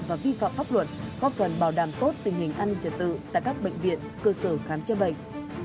và vi phạm pháp luật góp phần bảo đảm tốt tình hình an ninh trật tự tại các bệnh viện cơ sở khám chữa bệnh